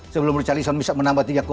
sebelum richarlison bisa menambah tiga